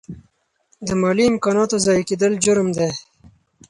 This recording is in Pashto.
د مالي امکاناتو ضایع کیدل جرم دی.